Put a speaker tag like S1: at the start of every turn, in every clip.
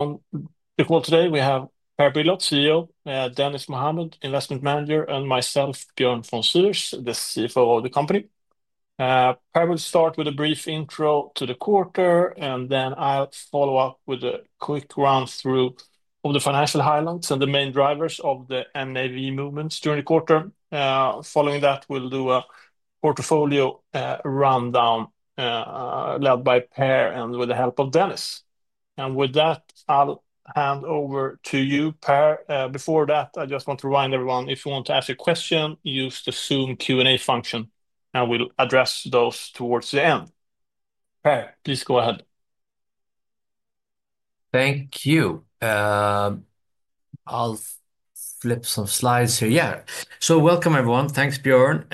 S1: On this call today, we have Per Brilioth, CEO; Dennis Mohammad, Investment Manager; and myself, Björn von Sivers, the CFO of the company. Per will start with a brief intro to the quarter, and then I'll follow up with a quick run-through of the financial highlights and the main drivers of the NAV movements during the quarter. Following that, we'll do a portfolio rundown led by Per and with the help of Dennis. With that, I'll hand over to you, Per. Before that, I just want to remind everyone, if you want to ask a question, use the Zoom Q&A function, and we'll address those towards the end. Per, please go ahead.
S2: Thank you. I'll flip some slides here. Yeah. Welcome, everyone. Thanks, Björn.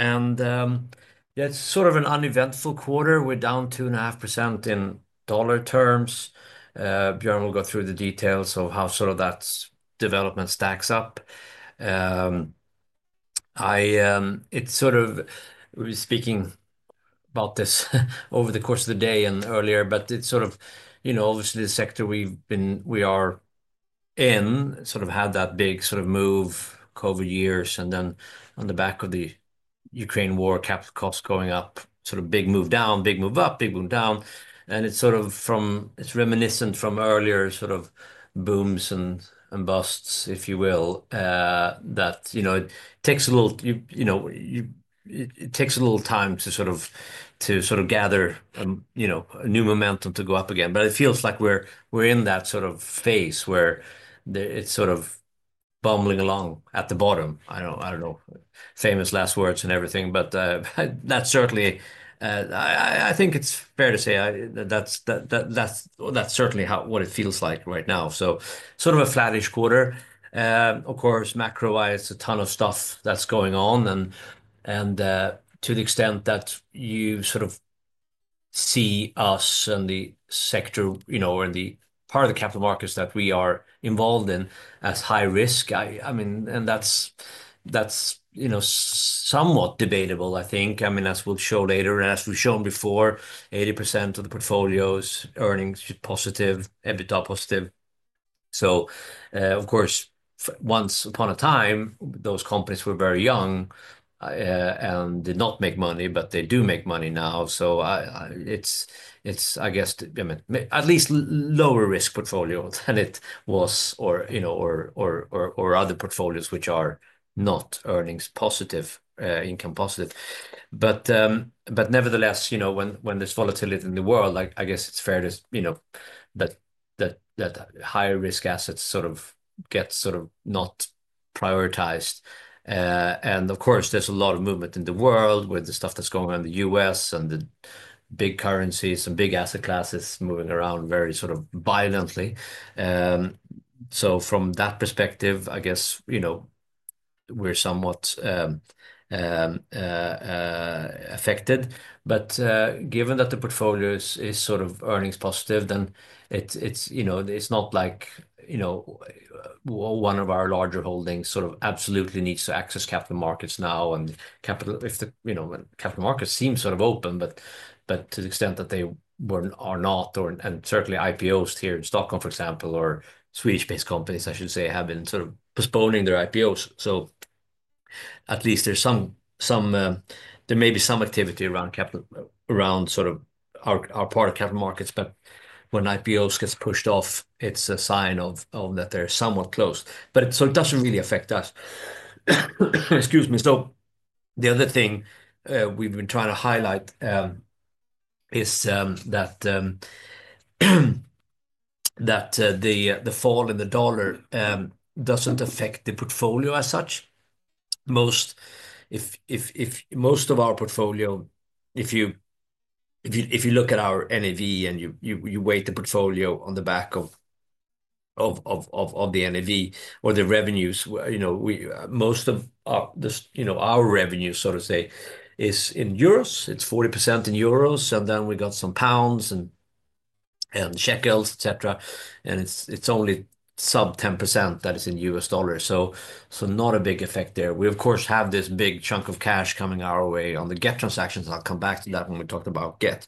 S2: Yeah, it's sort of an uneventful quarter. We're down 2.5% in dollar terms. Björn will go through the details of how sort of that development stacks up. We were speaking about this over the course of the day and earlier, but it's sort of, you know, obviously the sector we've been, we are in, sort of had that big sort of move, COVID years, and then on the back of the Ukraine war, capital costs going up, sort of big move down, big move up, big move down. It is sort of reminiscent from earlier sort of booms and busts, if you will, that, you know, it takes a little, you know, it takes a little time to sort of gather, you know, new momentum to go up again. It feels like we're in that sort of phase where it's sort of bumbling along at the bottom. I don't know, famous last words and everything, but that's certainly, I think it's fair to say that that's certainly how, what it feels like right now. Sort of a flattish quarter. Of course, macro-wise, it's a ton of stuff that's going on. To the extent that you sort of see us and the sector, you know, or in the part of the capital markets that we are involved in as high risk, I mean, and that's, that's, you know, somewhat debatable, I think. I mean, as we'll show later and as we've shown before, 80% of the portfolio is earnings positive, EBITDA positive. Of course, once upon a time, those companies were very young and did not make money, but they do make money now. It's, I guess, I mean, at least lower risk portfolio than it was, or, you know, or other portfolios which are not earnings positive, income positive. Nevertheless, you know, when there's volatility in the world, I guess it's fair to, you know, that higher risk assets sort of get sort of not prioritized. Of course, there's a lot of movement in the world with the stuff that's going on in the U.S. and the big currencies and big asset classes moving around very sort of violently. From that perspective, I guess, you know, we're somewhat affected. Given that the portfolio is sort of earnings positive, then it's, it's, you know, it's not like, you know, one of our larger holdings sort of absolutely needs to access capital markets now. Capital, if the, you know, capital markets seem sort of open, but to the extent that they are not, or, and certainly IPOs here in Stockholm, for example, or Swedish-based companies, I should say, have been sort of postponing their IPOs. At least there's some, there may be some activity around capital, around sort of our part of capital markets, but when IPOs get pushed off, it's a sign that they're somewhat close. It doesn't really affect us. Excuse me. The other thing we've been trying to highlight is that the fall in the dollar doesn't affect the portfolio as such. Most, if most of our portfolio, if you look at our NAV and you weigh the portfolio on the back of the NAV or the revenues, you know, most of this, you know, our revenue, so to say, is in euros. It's 40% in euros. Then we got some pounds and shekels, et cetera. It's only sub 10% that is in US dollars. Not a big effect there. We, of course, have this big chunk of cash coming our way on the Gett transactions. I'll come back to that when we talked about Gett.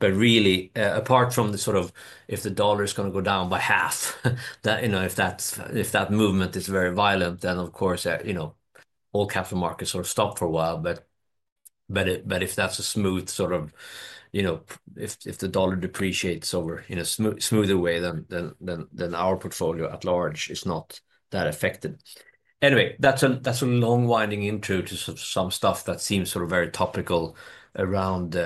S2: Really, apart from the sort of, if the dollar is going to go down by half, that, you know, if that movement is very violent, then of course, you know, all capital markets sort of stop for a while. If that's a smooth sort of, you know, if the dollar depreciates over in a smoother way, then our portfolio at large is not that affected. Anyway, that's a long winding intro to some stuff that seems sort of very topical around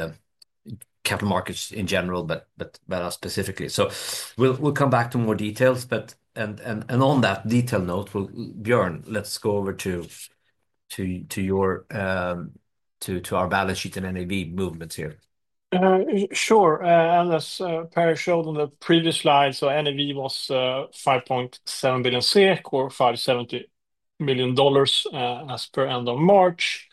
S2: capital markets in general, but us specifically. We'll come back to more details, but on that detail note, Björn, let's go over to your, to our balance sheet and NAV movements here.
S1: Sure. As Per showed on the previous slide, NAV was 5.7 billion SEK or $570 million as per end of March.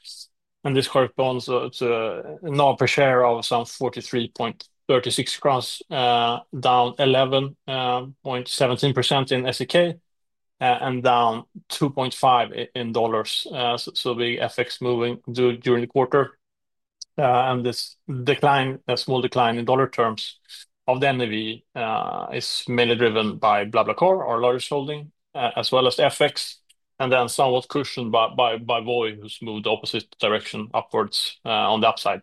S1: This corresponds to a NAV per share of some 43.36 crowns, down 11.17% in SEK and down 2.5% in dollars. Big FX moving during the quarter. This decline, a small decline in dollar terms of the NAV, is mainly driven by BlaBlaCar, our largest holding, as well as the FX, and then somewhat cushioned by Voi, who's moved the opposite direction upwards on the upside.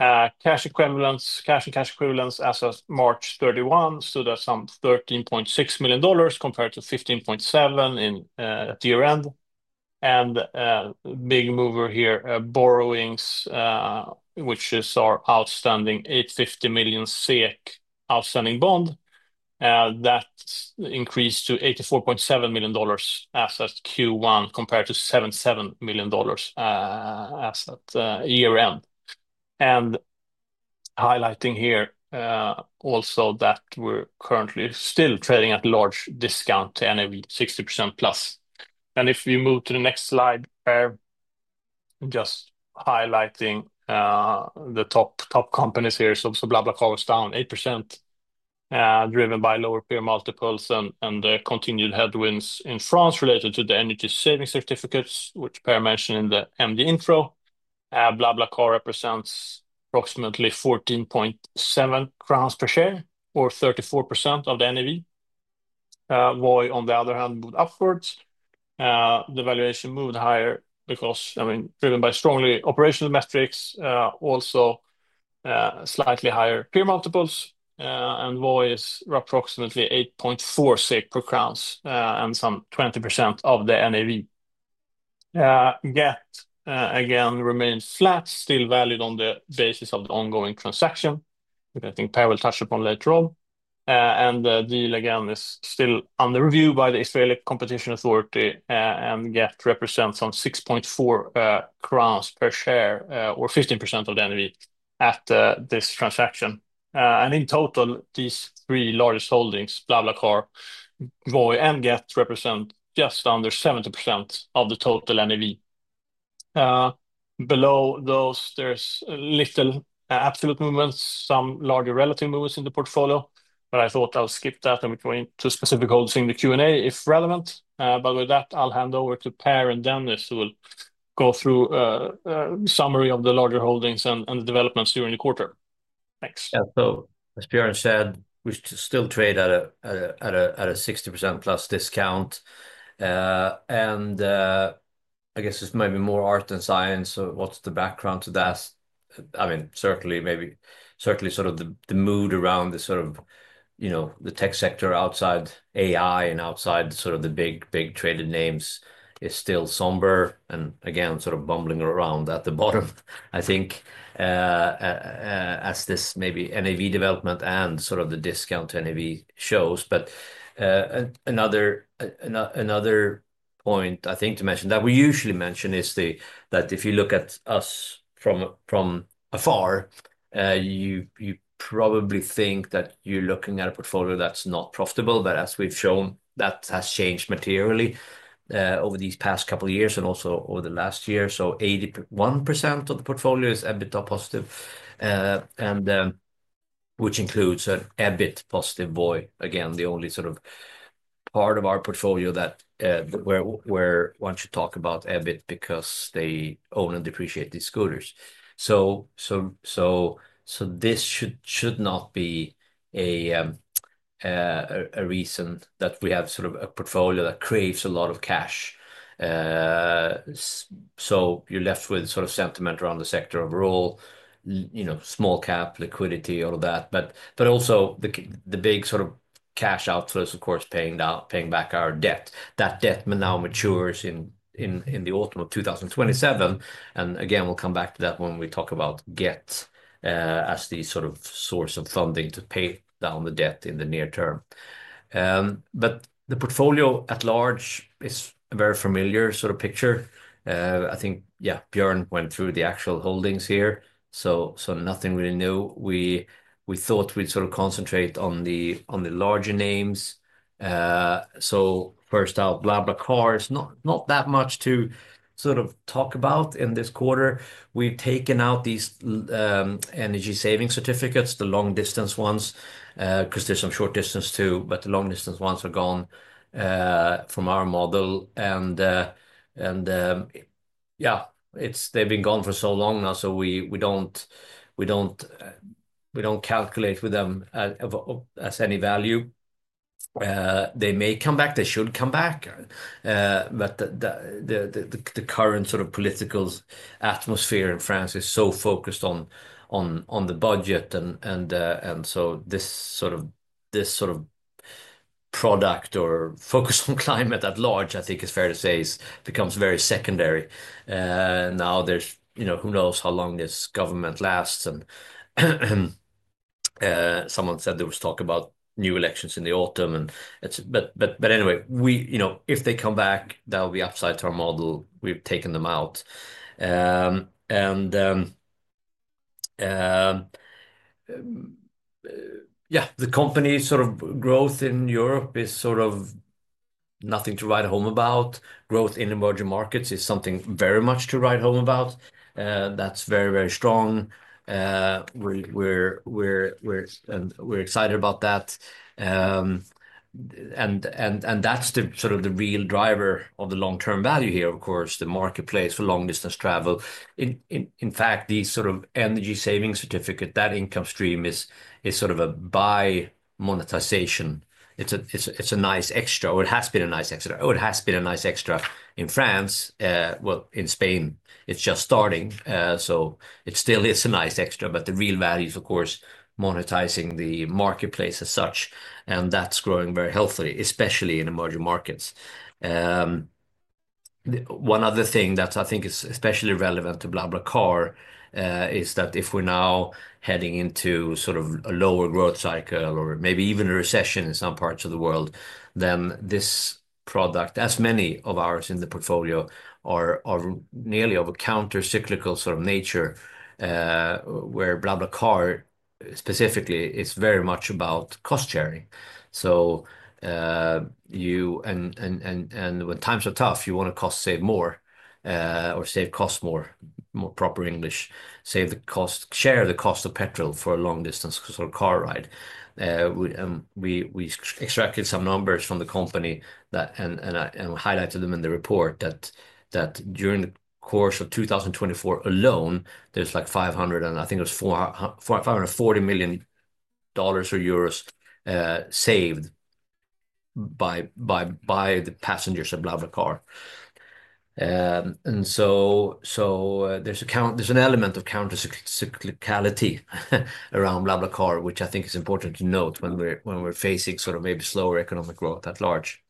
S1: Cash and cash equivalents as of March 31 stood at some $13.6 million compared to $15.7 million at year end. Big mover here, borrowings, which is our outstanding 850 million SEK outstanding bond, that increased to $84.7 million as at Q1 compared to $77 million as at year end. Highlighting here also that we're currently still trading at a large discount to NAV, 60% plus. If you move to the next slide, Per, just highlighting the top, top companies here. BlaBlaCar was down 8%, driven by lower peer multiples and continued headwinds in France related to the energy savings certificates, which Per mentioned in the MD intro. BlaBlaCar represents approximately 14.7 crowns per share or 34% of the NAV. Voi, on the other hand, moved upwards. The valuation moved higher because, I mean, driven by strongly operational metrics, also slightly higher peer multiples. Voi is approximately 8.46 crowns per share and some 20% of the NAV. Gett again remains flat, still valued on the basis of the ongoing transaction, which I think Per will touch upon later on. The deal again is still under review by the Israeli Competition Authority. Gett represents some 6.4 crowns per share or 15% of the NAV at this transaction. In total, these three largest holdings, BlaBlaCar, Voi, and Gett, represent just under 70% of the total NAV. Below those, there is little absolute movement, some larger relative movements in the portfolio, but I thought I'll skip that and we go into specific holdings in the Q&A if relevant. With that, I'll hand over to Per and Dennis who will go through a summary of the larger holdings and the developments during the quarter. Thanks.
S2: Yeah. As Björn said, we still trade at a 60% plus discount. I guess it's maybe more art than science. What's the background to that? I mean, certainly maybe, certainly sort of the mood around the tech sector outside AI and outside the big, big traded names is still somber and again sort of bumbling around at the bottom, I think, as this maybe NAV development and the discount to NAV shows. Another point I think to mention that we usually mention is that if you look at us from afar, you probably think that you're looking at a portfolio that's not profitable, but as we've shown, that has changed materially over these past couple of years and also over the last year. Eighty-one percent of the portfolio is EBITDA positive, which includes an EBIT positive Voi. Again, the only sort of part of our portfolio where one should talk about EBIT because they own and depreciate these scooters. This should not be a reason that we have a portfolio that craves a lot of cash. You are left with sentiment around the sector overall, you know, small cap liquidity, all of that. Also, the big sort of cash outflows, of course, paying down, paying back our debt. That debt now matures in the autumn of 2027. Again, we will come back to that when we talk about Gett as the sort of source of funding to pay down the debt in the near term. The portfolio at large is a very familiar sort of picture. I think, yeah, Björn went through the actual holdings here. Nothing really new. We thought we'd sort of concentrate on the larger names. First out, BlaBlaCar is not that much to sort of talk about in this quarter. We've taken out these energy savings certificates, the long distance ones, because there's some short distance too, but the long distance ones are gone from our model. They've been gone for so long now. We don't calculate with them as any value. They may come back. They should come back. The current sort of political atmosphere in France is so focused on the budget. This sort of product or focus on climate at large, I think it's fair to say, becomes very secondary. Now there's, you know, who knows how long this government lasts. Someone said there was talk about new elections in the autumn, but anyway, we, you know, if they come back, that'll be upside to our model. We've taken them out. The company's sort of growth in Europe is sort of nothing to write home about. Growth in emerging markets is something very much to write home about. That's very, very strong. We're excited about that. That's the sort of the real driver of the long-term value here, of course, the marketplace for long-distance travel. In fact, these sort of energy savings certificates, that income stream is sort of a by monetization. It's a nice extra, or it has been a nice extra, or it has been a nice extra in France. In Spain, it's just starting. It still is a nice extra, but the real value is, of course, monetizing the marketplace as such. That's growing very healthily, especially in emerging markets. One other thing that I think is especially relevant to BlaBlaCar is that if we're now heading into sort of a lower growth cycle or maybe even a recession in some parts of the world, this product, as many of ours in the portfolio are, are nearly of a countercyclical sort of nature where BlaBlaCar specifically is very much about cost sharing. You want to cost save more or save costs more, more proper English, save the cost, share the cost of petrol for a long-distance sort of car ride. We extracted some numbers from the company that highlighted them in the report that during the course of 2024 alone, there's like 540 million EUR saved by the passengers of BlaBlaCar. There's an element of countercyclicality around BlaBlaCar, which I think is important to note when we're facing sort of maybe slower economic growth at large.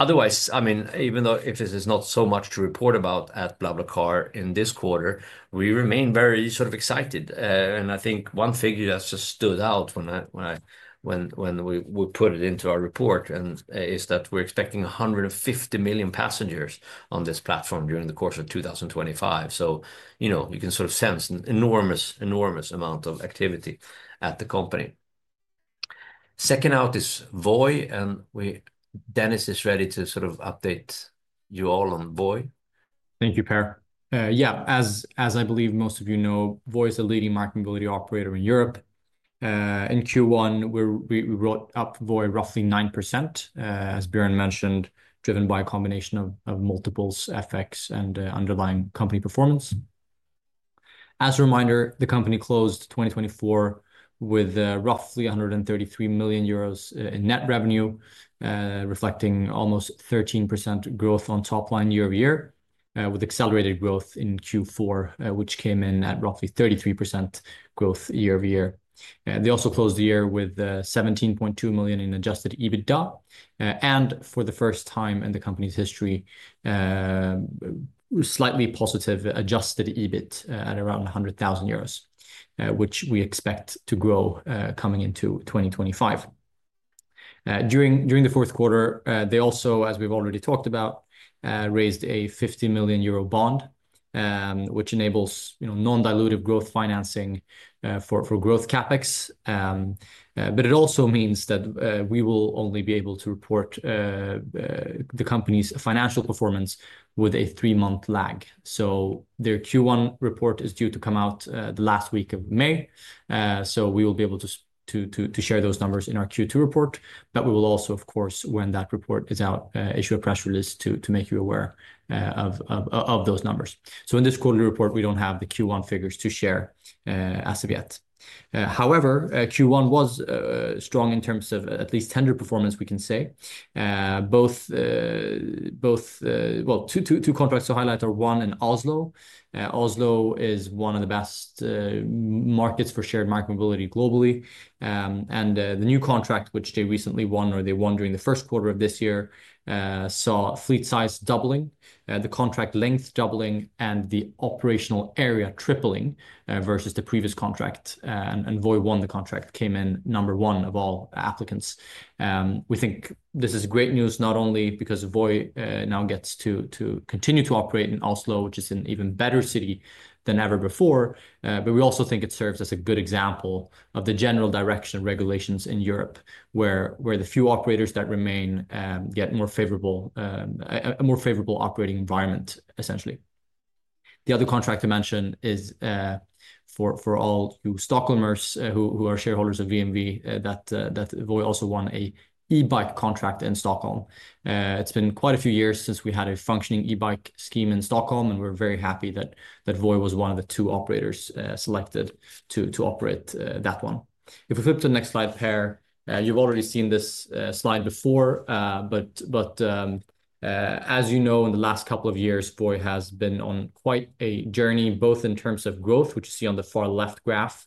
S2: Otherwise, I mean, even though if this is not so much to report about at BlaBlaCar in this quarter, we remain very sort of excited. I think one figure that just stood out when I, when I, when we put it into our report is that we're expecting 150 million passengers on this platform during the course of 2025. You know, you can sort of sense an enormous, enormous amount of activity at the company. Second out is Voi, and we, Dennis is ready to sort of update you all on Voi.
S3: Thank you, Per. Yeah, as I believe most of you know, Voi is a leading market mobility operator in Europe. In Q1, we wrote up Voi roughly 9%, as Björn mentioned, driven by a combination of multiples, FX, and underlying company performance. As a reminder, the company closed 2024 with roughly 133 million euros in net revenue, reflecting almost 13% growth on top line year over year, with accelerated growth in Q4, which came in at roughly 33% growth year over year. They also closed the year with 17.2 million in adjusted EBITDA. For the first time in the company's history, slightly positive adjusted EBIT at around 100,000 euros, which we expect to grow coming into 2025. During the fourth quarter, they also, as we've already talked about, raised a 50 million euro bond, which enables, you know, non-dilutive growth financing for growth CapEx. It also means that we will only be able to report the company's financial performance with a three-month lag. Their Q1 report is due to come out the last week of May. We will be able to share those numbers in our Q2 report, but we will also, of course, when that report is out, issue a press release to make you aware of those numbers. In this quarterly report, we don't have the Q1 figures to share as of yet. However, Q1 was strong in terms of at least tender performance, we can say, both, both, two contracts to highlight are one and Oslo. Oslo is one of the best markets for shared market mobility globally. The new contract, which they recently won, or they won during the first quarter of this year, saw fleet size doubling, the contract length doubling, and the operational area tripling versus the previous contract. Voi won the contract, came in number one of all applicants. We think this is great news, not only because Voi now gets to continue to operate in Oslo, which is an even better city than ever before, but we also think it serves as a good example of the general direction and regulations in Europe, where the few operators that remain get a more favorable operating environment, essentially. The other contract to mention is for all you Stockholmers who are shareholders of VNV, that Voi also won an e-bike contract in Stockholm. It's been quite a few years since we had a functioning e-bike scheme in Stockholm, and we're very happy that Voi was one of the two operators selected to operate that one. If we flip to the next slide, Per, you've already seen this slide before, but as you know, in the last couple of years, Voi has been on quite a journey, both in terms of growth, which you see on the far left graph,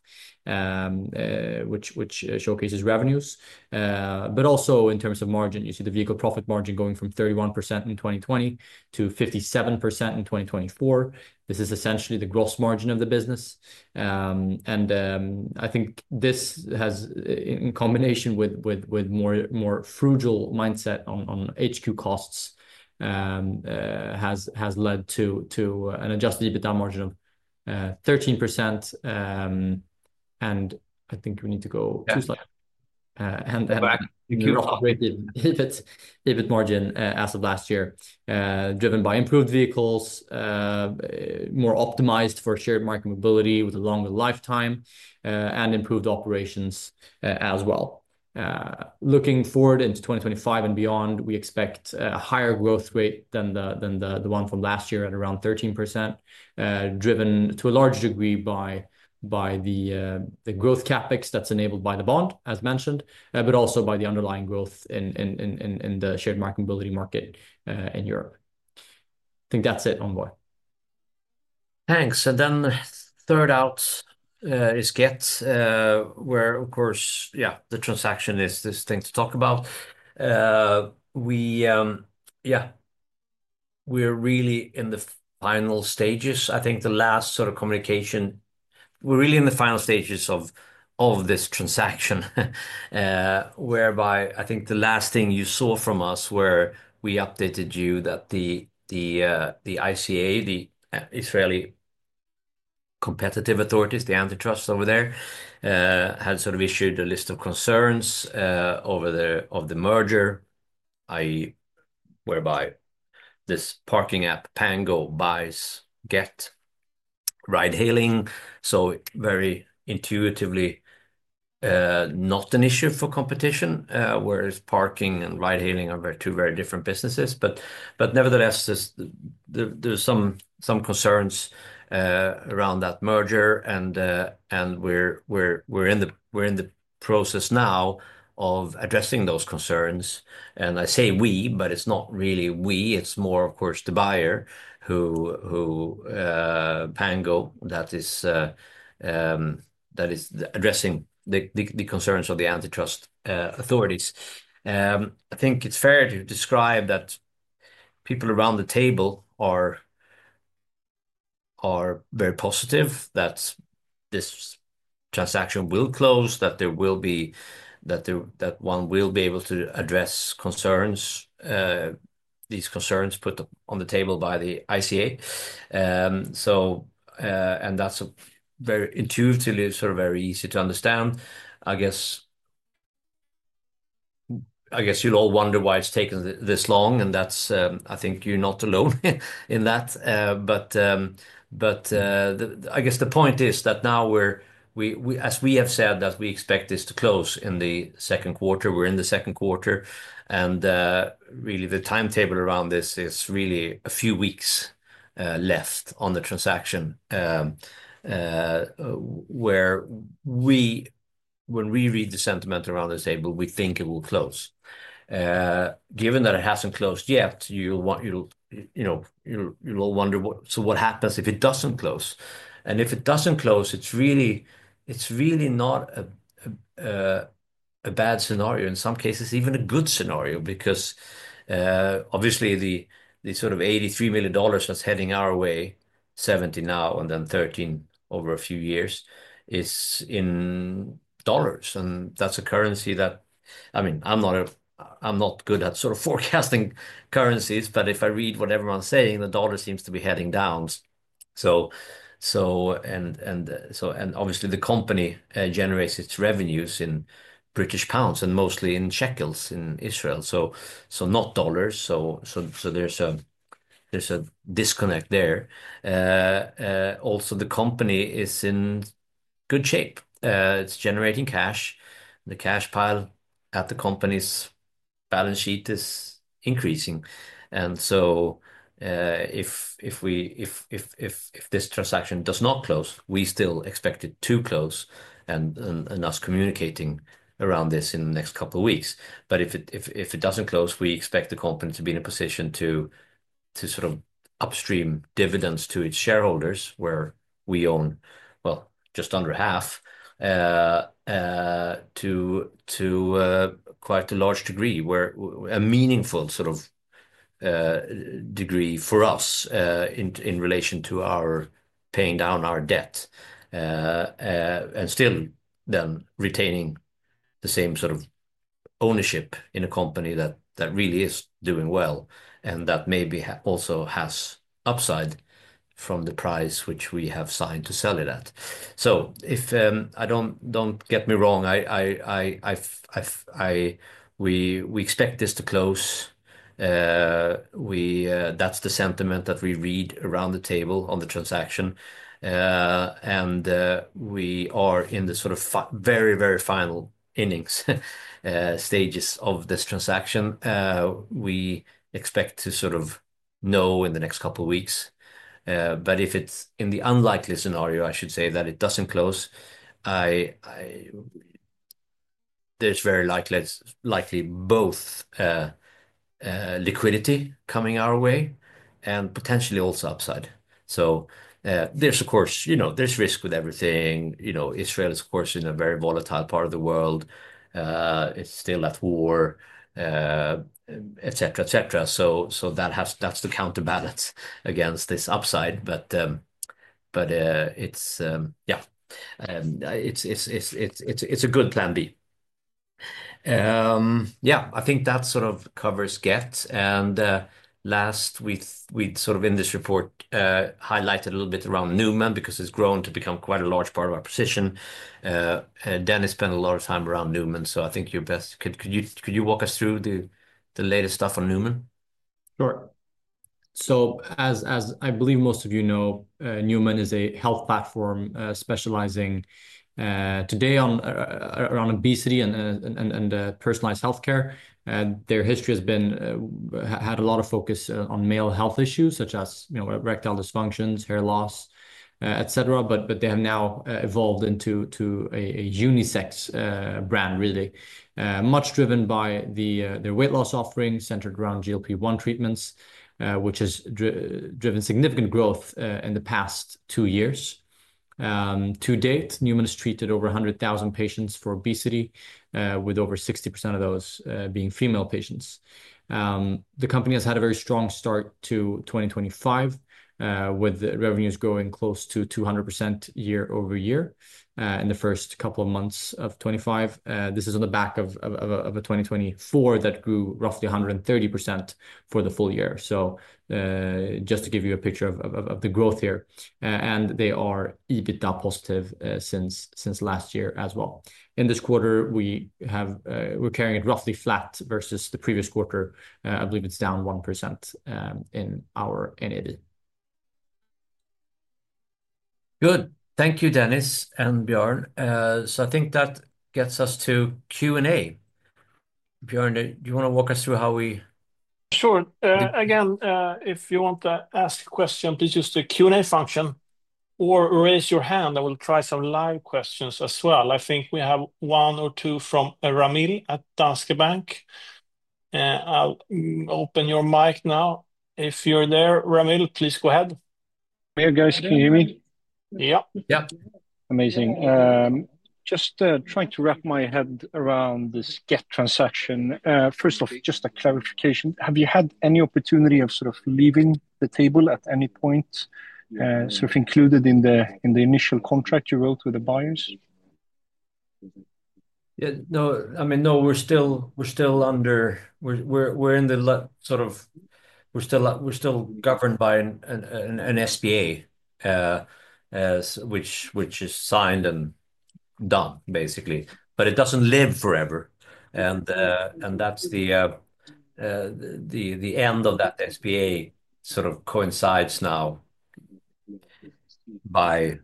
S3: which showcases revenues, but also in terms of margin. You see the vehicle profit margin going from 31% in 2020-57% in 2024. This is essentially the gross margin of the business. I think this has, in combination with a more frugal mindset on HQ costs, led to an adjusted EBITDA margin of 13%. I think we need to go two slides. Back to EBIT, EBIT margin as of last year, driven by improved vehicles, more optimized for shared market mobility with a longer lifetime and improved operations as well. Looking forward into 2025 and beyond, we expect a higher growth rate than the one from last year at around 13%, driven to a large degree by the growth CapEx that's enabled by the bond, as mentioned, but also by the underlying growth in the shared market mobility market in Europe. I think that's it on Voi.
S2: Thanks. Then third out is Gett, where, of course, yeah, the transaction is this thing to talk about. We're really in the final stages. I think the last sort of communication, we're really in the final stages of this transaction, whereby I think the last thing you saw from us where we updated you that the ICA, the Israeli competitive authorities, the antitrust over there, had sort of issued a list of concerns over the merger, whereby this parking app, Pango, buys Gett ride-hailing. Very intuitively not an issue for competition, whereas parking and ride-hailing are two very different businesses. Nevertheless, there's some concerns around that merger. We're in the process now of addressing those concerns. I say we, but it's not really we. It's more, of course, the buyer who, who, Pango, that is, that is addressing the, the concerns of the antitrust authorities. I think it's fair to describe that people around the table are, are very positive that this transaction will close, that there will be, that there, that one will be able to address concerns, these concerns put on the table by the ICA. That is a very intuitively sort of very easy to understand. I guess, I guess you'll all wonder why it's taken this long. I think you're not alone in that. I guess the point is that now we're, we, we, as we have said, that we expect this to close in the second quarter. We're in the second quarter. The timetable around this is really a few weeks left on the transaction where we, when we read the sentiment around the table, we think it will close. Given that it hasn't closed yet, you'll want, you'll, you know, you'll all wonder what, so what happens if it doesn't close? If it doesn't close, it's really not a bad scenario. In some cases, even a good scenario, because obviously the sort of $83 million that's heading our way, $70 million now, and then $13 million over a few years is in dollars. That's a currency that, I mean, I'm not good at sort of forecasting currencies, but if I read what everyone's saying, the dollar seems to be heading down. The company generates its revenues in British pounds and mostly in shekels in Israel, not dollars. There is a disconnect there. Also, the company is in good shape. It is generating cash. The cash pile at the company's balance sheet is increasing. If this transaction does not close, we still expect it to close and us communicating around this in the next couple of weeks. If it doesn't close, we expect the company to be in a position to sort of upstream dividends to its shareholders where we own just under half to quite a large degree, where a meaningful sort of degree for us in relation to our paying down our debt and still then retaining the same sort of ownership in a company that really is doing well and that maybe also has upside from the price which we have signed to sell it at. Don't get me wrong, we expect this to close. That's the sentiment that we read around the table on the transaction. We are in the very, very final innings stages of this transaction. We expect to sort of know in the next couple of weeks. If it's in the unlikely scenario, I should say that it doesn't close, there's very likely, likely both liquidity coming our way and potentially also upside. There's, of course, you know, there's risk with everything. You know, Israel is, of course, in a very volatile part of the world. It's still at war, et cetera, et cetera. That has, that's the counterbalance against this upside. It's, yeah, it's a good plan B. I think that sort of covers Gett. Last, we've sort of in this report highlighted a little bit around Numan because it's grown to become quite a large part of our position. Dennis spent a lot of time around Numan. I think you're best, could you, could you walk us through the latest stuff on Numan?
S3: Sure. As I believe most of you know, Numan is a health platform specializing today on around obesity and personalized healthcare. Their history has been, had a lot of focus on male health issues such as, you know, erectile dysfunctions, hair loss, et cetera. They have now evolved into a unisex brand, really much driven by their weight loss offering centered around GLP-1 treatments, which has driven significant growth in the past two years. To date, Numan has treated over 100,000 patients for obesity, with over 60% of those being female patients. The company has had a very strong start to 2025, with revenues growing close to 200% year over year in the first couple of months of 2025. This is on the back of a 2024 that grew roughly 130% for the full year. Just to give you a picture of the growth here. They are EBITDA positive since last year as well. In this quarter, we are carrying it roughly flat versus the previous quarter. I believe it is down 1% in our NAV.
S2: Good. Thank you, Dennis and Björn. I think that gets us to Q&A. Björn, do you want to walk us through how we?
S1: Sure. Again, if you want to ask a question, please use the Q&A function or raise your hand. I will try some live questions as well. I think we have one or two from Ramil at Danske Bank. I'll open your mic now. If you're there, Ramil, please go ahead.
S4: Hey guys, can you hear me?
S1: Yeah.
S2: Yeah.
S4: Amazing. Just trying to wrap my head around this Gett transaction. First off, just a clarification. Have you had any opportunity of sort of leaving the table at any point, sort of included in the, in the initial contract you wrote with the buyers?
S2: Yeah. No, I mean, no, we're still, we're still under, we're, we're, we're in the sort of, we're still, we're still governed by an SPA, which is signed and done basically, but it doesn't live forever. That's the end of that SPA, which sort of coincides now by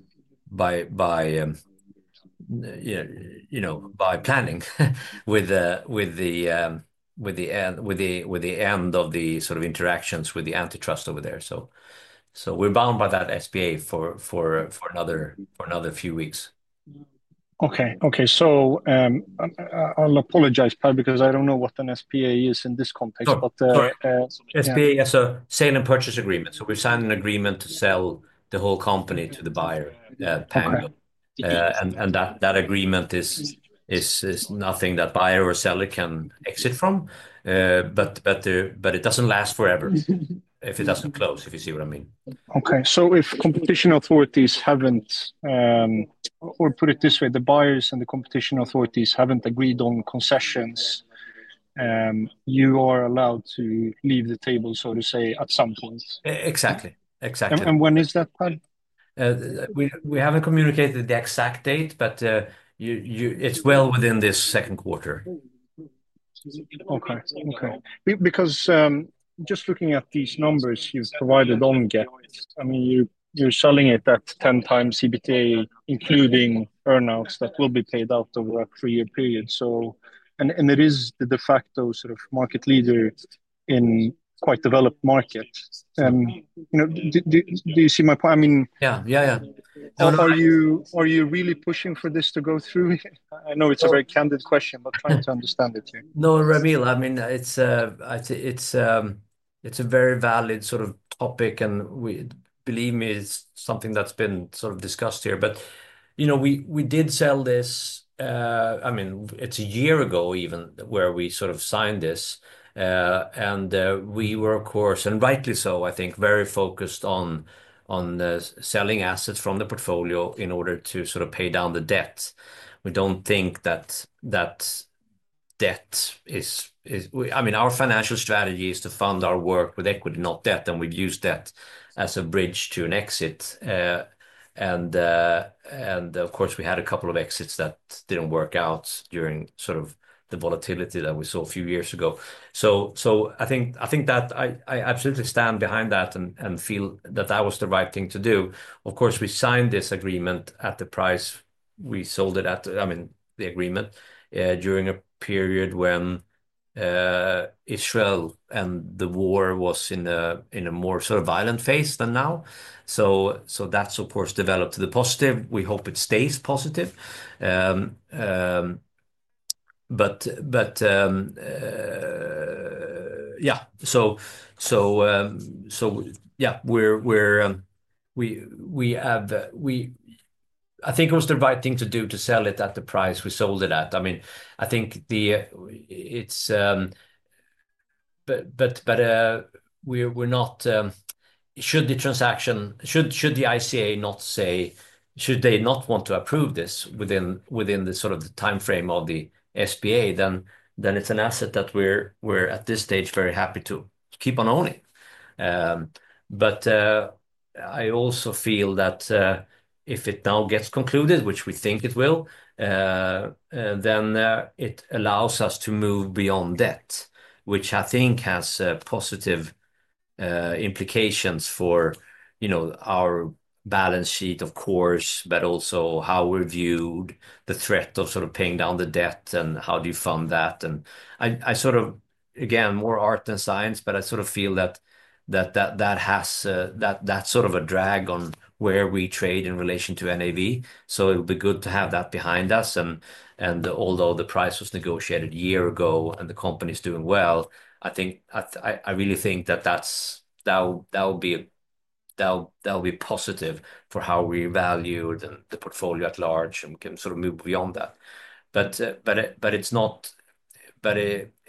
S2: planning with the end of the sort of interactions with the antitrust over there. We're bound by that SPA for another few weeks.
S1: Okay. Okay. I'll apologize probably because I don't know what an SPA is in this context, but.
S2: SPA, so sale and purchase agreement. We've signed an agreement to sell the whole company to the buyer, Pango. That agreement is nothing that buyer or seller can exit from, but it does not last forever if it does not close, if you see what I mean.
S4: Okay. If competition authorities have not, or put it this way, the buyers and the competition authorities have not agreed on concessions, you are allowed to leave the table, so to say, at some point.
S2: Exactly. Exactly.
S4: When is that?
S2: We haven't communicated the exact date, but you know, it's well within this second quarter.
S4: Okay. Okay. Because just looking at these numbers you've provided on Gett, I mean, you're selling it at 10 times EBITDA, including earnings that will be paid out over a three-year period. It is the de facto sort of market leader in quite developed markets. You know, do you see my point? I mean.
S2: Yeah. Yeah. Yeah.
S4: Are you, are you really pushing for this to go through? I know it's a very candid question, but trying to understand it here.
S2: No, Ramil, I mean, it's a very valid sort of topic and we, believe me, it's something that's been sort of discussed here. You know, we did sell this, I mean, it's a year ago even where we sort of signed this. We were, of course, and rightly so, I think, very focused on selling assets from the portfolio in order to sort of pay down the debt. We don't think that that debt is, I mean, our financial strategy is to fund our work with equity, not debt. We've used debt as a bridge to an exit. Of course, we had a couple of exits that didn't work out during sort of the volatility that we saw a few years ago. I think that I absolutely stand behind that and feel that that was the right thing to do. Of course, we signed this agreement at the price we sold it at, I mean, the agreement during a period when Israel and the war was in a more sort of violent phase than now. That has of course developed to the positive. We hope it stays positive. Yeah, we have, I think it was the right thing to do to sell it at the price we sold it at. I mean, I think it's, but we're not, should the transaction, should the ICA not say, should they not want to approve this within the sort of the timeframe of the SPA, then it's an asset that we're at this stage very happy to keep on owning. I also feel that if it now gets concluded, which we think it will, then it allows us to move beyond debt, which I think has positive implications for, you know, our balance sheet, of course, but also how we're viewed, the threat of sort of paying down the debt and how do you fund that. I sort of, again, more art than science, but I sort of feel that that has, that's sort of a drag on where we trade in relation to NAV. It would be good to have that behind us. Although the price was negotiated a year ago and the company's doing well, I think that will be positive for how we value the portfolio at large and can sort of move beyond that. It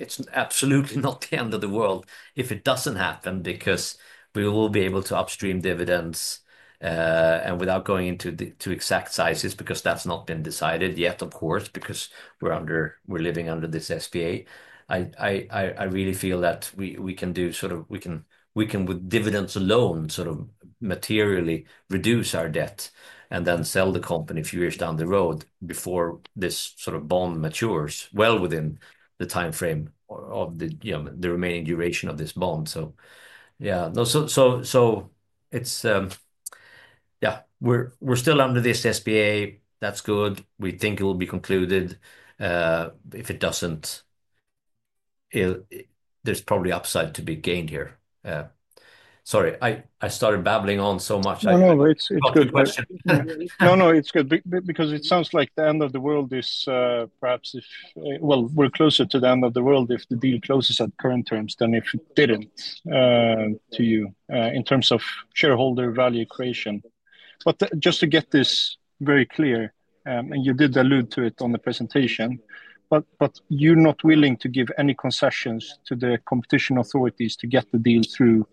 S2: is absolutely not the end of the world if it does not happen because we will be able to upstream dividends, and without going into the exact sizes because that has not been decided yet, of course, because we are living under this SPA. I really feel that we can do sort of, we can with dividends alone sort of materially reduce our debt and then sell the company a few years down the road before this sort of bond matures well within the timeframe of the, you know, the remaining duration of this bond. Yeah. No, it's, yeah, we're still under this SPA. That's good. We think it will be concluded. If it doesn't, there's probably upside to be gained here. Sorry, I started babbling on so much.
S4: No, no, it's good. No, no, it's good because it sounds like the end of the world is perhaps if, well, we're closer to the end of the world if the deal closes at current terms than if it didn't to you in terms of shareholder value creation. Just to get this very clear, and you did allude to it on the presentation, but you're not willing to give any concessions to the competition authorities to get the deal through,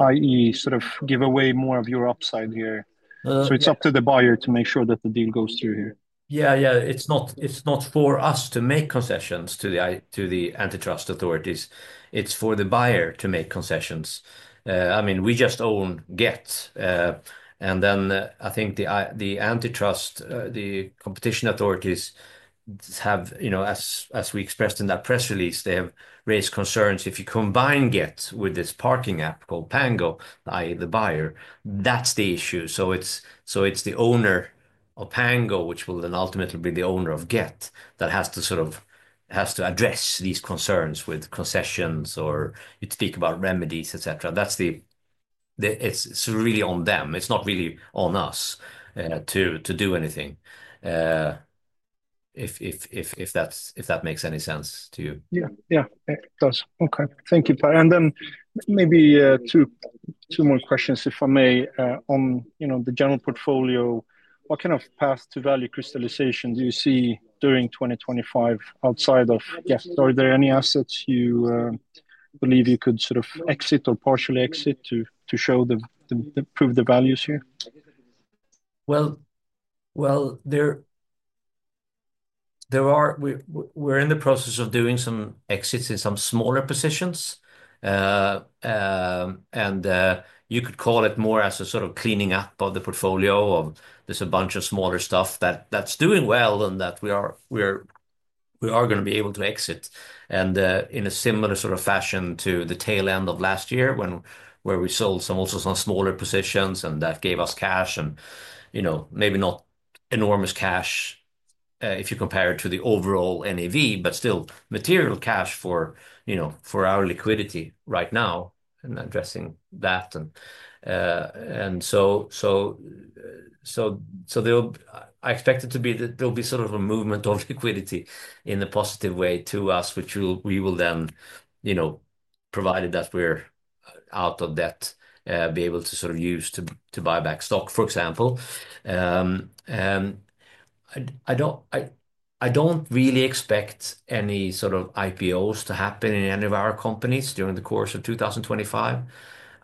S4: i.e. sort of give away more of your upside here. It's up to the buyer to make sure that the deal goes through here.
S2: Yeah. Yeah. It's not, it's not for us to make concessions to the, to the antitrust authorities. It's for the buyer to make concessions. I mean, we just own Gett. And then I think the, the antitrust, the competition authorities have, you know, as, as we expressed in that press release, they have raised concerns if you combine Gett with this parking app called Pango, i.e. the buyer, that's the issue. It's, it's the owner of Pango, which will then ultimately be the owner of Gett that has to sort of, has to address these concerns with concessions or you speak about remedies, et cetera. That's the, the, it's, it's really on them. It's not really on us to, to do anything if, if, if that's, if that makes any sense to you.
S4: Yeah. Yeah. It does. Okay. Thank you, Per. Maybe two more questions if I may on, you know, the general portfolio. What kind of path to value crystallization do you see during 2025 outside of Gett? Are there any assets you believe you could sort of exit or partially exit to show the, the, prove the values here?
S2: There are, we are in the process of doing some exits in some smaller positions. You could call it more as a sort of cleaning up of the portfolio. There is a bunch of smaller stuff that is doing well and that we are going to be able to exit. In a similar sort of fashion to the tail end of last year, when we sold also some smaller positions, and that gave us cash and, you know, maybe not enormous cash if you compare it to the overall NAV, but still material cash for our liquidity right now and addressing that. I expect it to be that there'll be sort of a movement of liquidity in the positive way to us, which we will then, you know, provided that we're out of debt, be able to sort of use to buy back stock, for example. I don't really expect any sort of IPOs to happen in any of our companies during the course of 2025.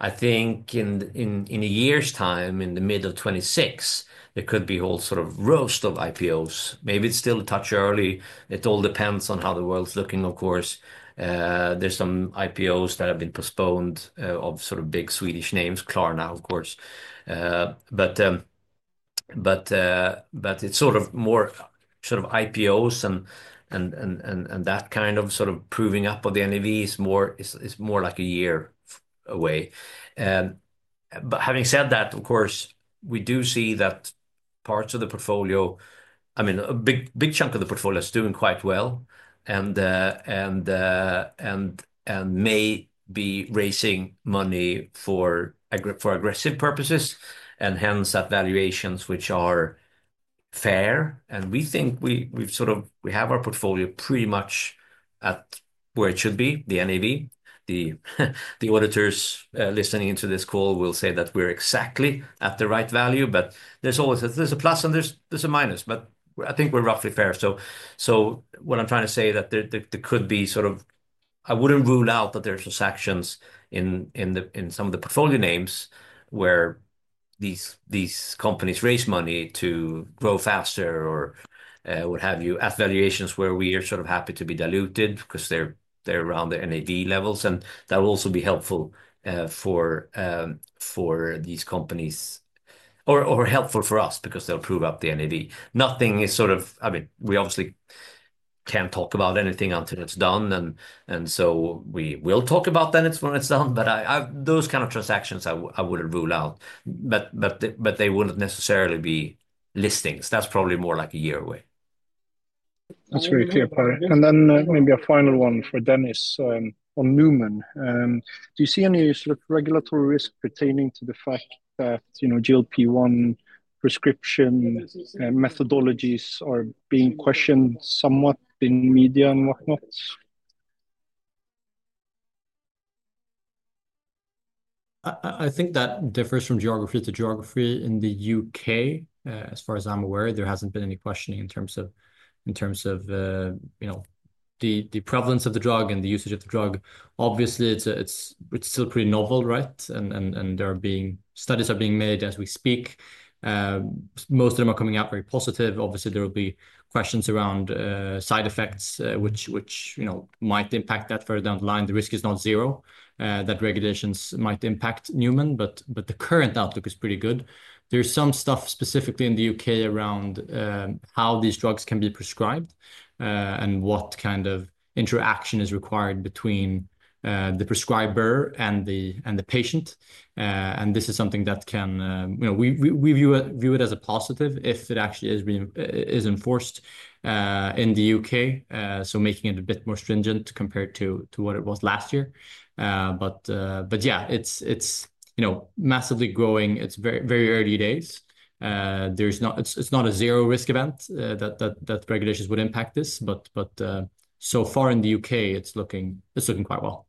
S2: I think in a year's time, in the mid of 2026, there could be a whole sort of raft of IPOs. Maybe it's still a touch early. It all depends on how the world's looking, of course. There's some IPOs that have been postponed of sort of big Swedish names, Klarna of course. It is sort of more sort of IPOs and that kind of sort of proving up of the NAV is more, is more like a year away. Having said that, of course, we do see that parts of the portfolio, I mean, a big, big chunk of the portfolio is doing quite well and may be raising money for aggressive purposes and hence at valuations which are fair. We think we have our portfolio pretty much at where it should be, the NAV. The auditors listening into this call will say that we are exactly at the right value, but there is always, there is a plus and there is a minus, but I think we are roughly fair. What I'm trying to say is that there could be sort of, I wouldn't rule out that there's some sections in some of the portfolio names where these companies raise money to grow faster or what have you at valuations where we are sort of happy to be diluted because they're around the NAV levels. That'll also be helpful for these companies or helpful for us because they'll prove up the NAV. Nothing is sort of, I mean, we obviously can't talk about anything until it's done. We will talk about it when it's done, but those kind of transactions I wouldn't rule out, but they wouldn't necessarily be listings. That's probably more like a year away.
S1: That's very clear, Per. Maybe a final one for Dennis on Numan. Do you see any sort of regulatory risk pertaining to the fact that, you know, GLP-1 prescription methodologies are being questioned somewhat in media and whatnot?
S3: I think that differs from geography to geography. In the U.K., as far as I'm aware, there hasn't been any questioning in terms of, you know, the prevalence of the drug and the usage of the drug. Obviously, it's still pretty novel, right? And there are studies being made as we speak. Most of them are coming out very positive. Obviously, there will be questions around side effects, which, you know, might impact that further down the line. The risk is not zero that regulations might impact Numan, but the current outlook is pretty good. There's some stuff specifically in the U.K. around how these drugs can be prescribed and what kind of interaction is required between the prescriber and the patient. This is something that can, you know, we view it as a positive if it actually is being enforced in the U.K., so making it a bit more stringent compared to what it was last year. Yeah, it's, you know, massively growing. It's very, very early days. It's not a zero risk event that regulations would impact this, but so far in the U.K., it's looking quite well.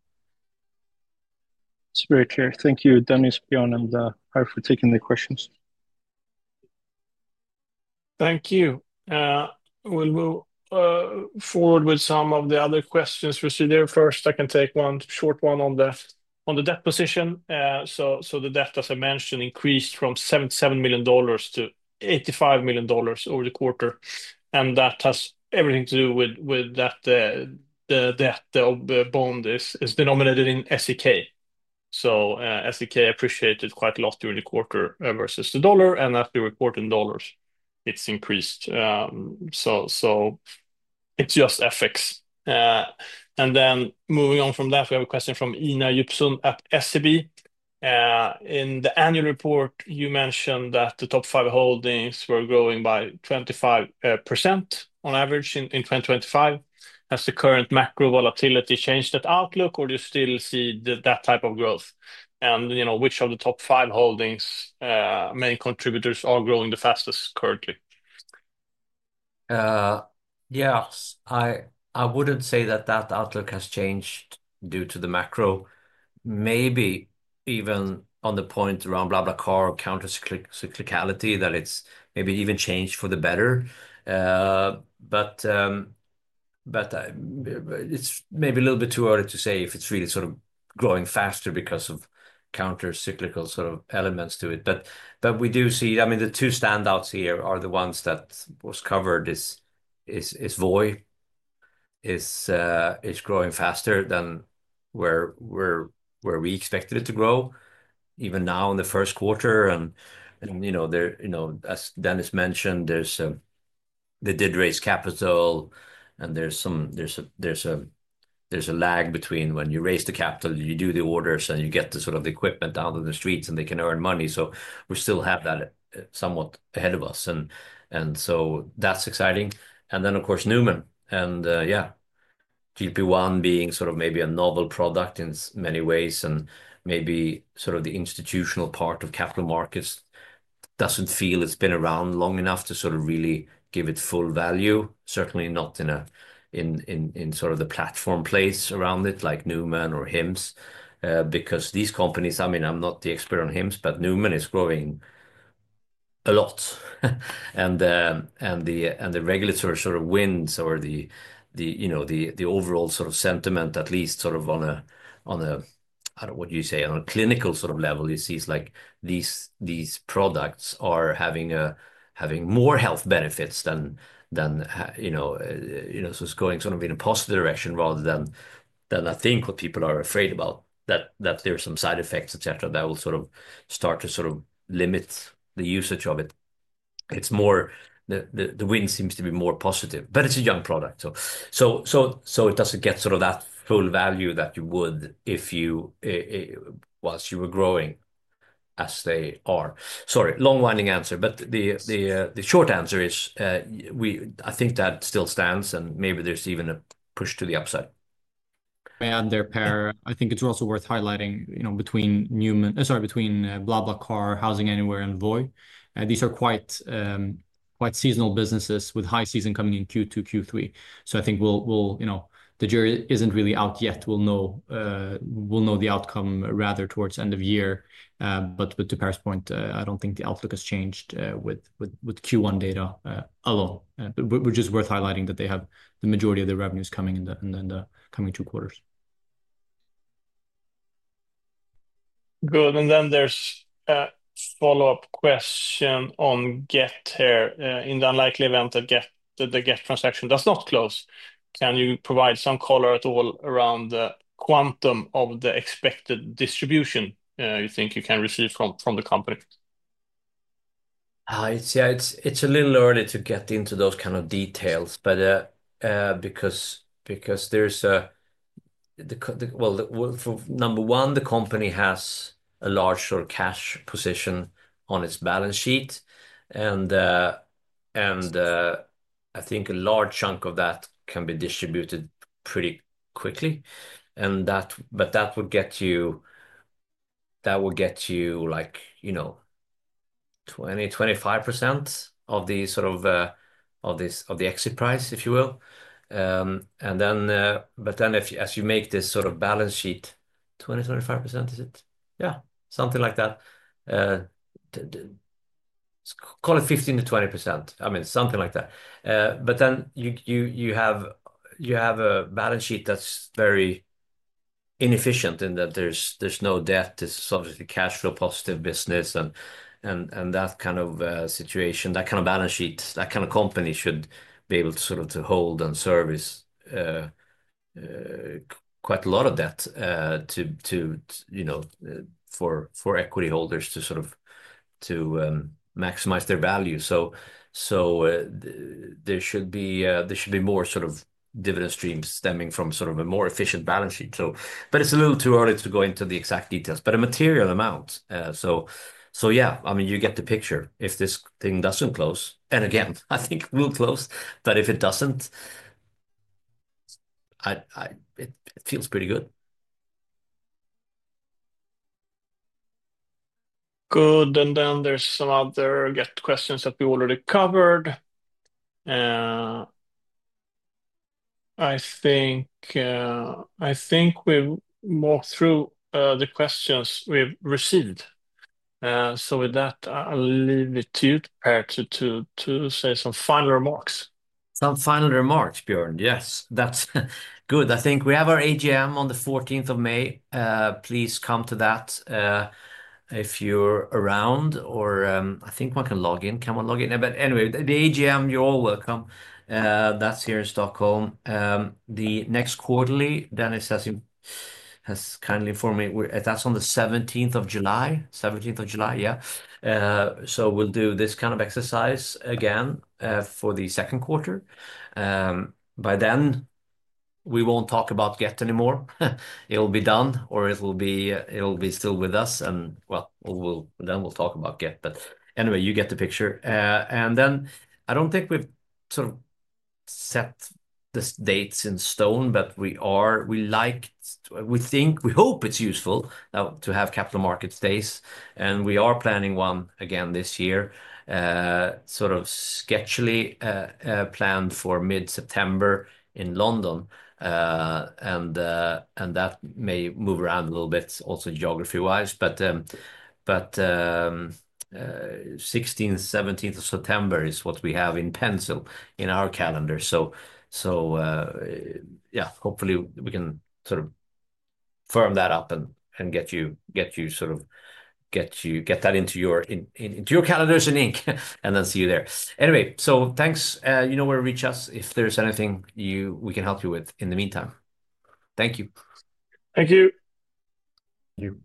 S4: It's very clear. Thank you, Dennis, Björn, and Per, for taking the questions.
S1: Thank you. We'll move forward with some of the other questions. You see there first, I can take one short one on the debt position. The debt, as I mentioned, increased from $77 million-$85 million over the quarter. That has everything to do with the debt of bond is denominated in SEK. SEK appreciated quite a lot during the quarter versus the dollar. As we report in dollars, it's increased. It's just FX. Moving on from that, we have a question from Ina Upson at SEB. In the annual report, you mentioned that the top five holdings were growing by 25% on average in 2025. Has the current macro volatility changed that outlook or do you still see that type of growth? You know, which of the top five holdings main contributors are growing the fastest currently?
S2: Yeah, I wouldn't say that that outlook has changed due to the macro. Maybe even on the point around BlaBlaCar or countercyclicality that it's maybe even changed for the better. It's maybe a little bit too early to say if it's really sort of growing faster because of countercyclical sort of elements to it. We do see, I mean, the two standouts here are the ones that was covered is Voi. Voi is growing faster than where we expected it to grow even now in the first quarter. You know, as Dennis mentioned, they did raise capital and there's a lag between when you raise the capital, you do the orders and you get the sort of the equipment down to the streets and they can earn money. We still have that somewhat ahead of us, so that's exciting. Of course, Numan and GLP-1 being sort of maybe a novel product in many ways and maybe sort of the institutional part of capital markets doesn't feel it's been around long enough to really give it full value. Certainly not in sort of the platform place around it like Numan or Hims because these companies, I mean, I'm not the expert on Hims, but Numan is growing a lot. The regulatory sort of wins or the, you know, the overall sort of sentiment at least sort of on a, I don't know what you say, on a clinical sort of level, you see it's like these, these products are having a, having more health benefits than, you know, you know, so it's going sort of in a positive direction rather than, I think what people are afraid about, that there's some side effects, et cetera, that will sort of start to sort of limit the usage of it. It's more the wind seems to be more positive, but it's a young product. So it doesn't get sort of that full value that you would if you, whilst you were growing as they are. Sorry, long winding answer, but the short answer is we, I think that still stands and maybe there's even a push to the upside.
S3: There, Per, I think it's also worth highlighting, you know, between Numan, sorry, between BlaBlaCar, HousingAnywhere, and Voi. These are quite, quite seasonal businesses with high season coming in Q2, Q3. I think we'll, you know, the jury isn't really out yet. We'll know, we'll know the outcome rather towards end of year. To Per's point, I don't think the outlook has changed with Q1 data alone, which is worth highlighting that they have the majority of the revenues coming in the coming two quarters.
S1: Good. There is a follow-up question on Gett here. In the unlikely event that Gett, the Gett transaction does not close, can you provide some color at all around the quantum of the expected distribution you think you can receive from the company?
S2: It's, yeah, it's a little early to get into those kind of details, because there's a, the, well, for number one, the company has a large sort of cash position on its balance sheet. And I think a large chunk of that can be distributed pretty quickly. That would get you, that would get you like, you know, 20-25% of the sort of, of this, of the exit price, if you will. Then if, as you make this sort of balance sheet,
S1: 20%-25%, is it?
S2: Yeah, something like that. Call it 15%-20%. I mean, something like that. Then you have a balance sheet that's very inefficient in that there's no debt. It's obviously cashflow positive business and that kind of situation, that kind of balance sheet, that kind of company should be able to sort of to hold and service quite a lot of debt to, you know, for equity holders to sort of to maximize their value. There should be more sort of dividend streams stemming from sort of a more efficient balance sheet. It's a little too early to go into the exact details, but a material amount. Yeah, I mean, you get the picture if this thing doesn't close. Again, I think it will close, but if it doesn't, I, I, it feels pretty good.
S1: Good. There are some other Gett questions that we already covered. I think we've walked through the questions we've received. With that, I'll leave it to you, Per, to say some final remarks.
S2: Some final remarks, Björn. Yes, that's good. I think we have our AGM on the 14th of May. Please come to that if you're around or I think one can log in. Can one log in? Anyway, the AGM, you're all welcome. That's here in Stockholm. The next quarterly, Dennis has kindly informed me, that's on the 17th of July, 17th of July. Yeah. We will do this kind of exercise again for the second quarter. By then we won't talk about Gett anymore. It'll be done or it'll be, it'll be still with us. Then we'll talk about Gett. Anyway, you get the picture. I don't think we've sort of set the dates in stone, but we are, we liked, we think, we hope it's useful now to have capital markets days. We are planning one again this year, sort of sketchily planned for mid-September in London. That may move around a little bit also geography-wise, but 16th, 17th of September is what we have in pencil in our calendar. Hopefully we can sort of firm that up and get you, get that into your calendars in ink and then see you there. Anyway, thanks. You know where to reach us if there's anything we can help you with in the meantime. Thank you.
S1: Thank you.
S3: Thank you.